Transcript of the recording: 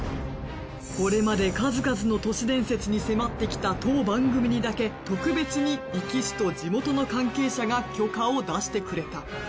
これまで数々の都市伝説に迫ってきた当番組にだけ特別に壱岐市と地元の関係者が許可を出してくれた。